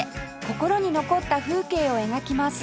心に残った風景を描きます